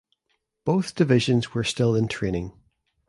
Both divisions were still in training.